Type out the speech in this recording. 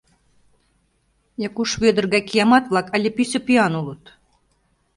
Якуш Вӧдыр гай киямат-влак але пӱсӧ пӱян улыт!